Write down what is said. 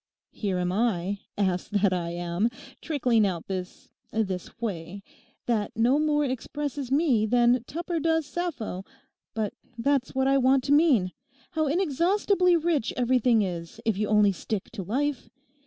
Here am I, ass that I am, trickling out this—this whey that no more expresses me than Tupper does Sappho. But that's what I want to mean. How inexhaustibly rich everything is, if you only stick to life.